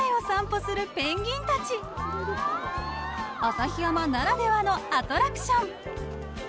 ［旭山ならではのアトラクション］